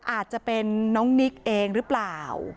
อาจจะเป็นน้องนิกเองหรือเปล่า